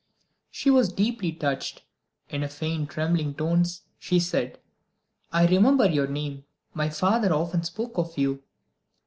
She was deeply touched. In faint trembling tones she said; "I remember your name; my poor father often spoke of you."